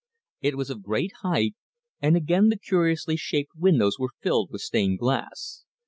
It was of great height, and again the curiously shaped windows were filled with stained glass.